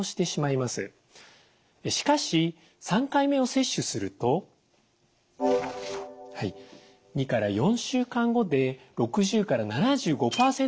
しかし３回目を接種すると２から４週間後で６０から７５％まで上昇します。